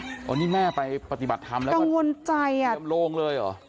อันนี้แม่ไปปฏิบัติธรรมแล้วก็เตรียมโรงเลยหรอ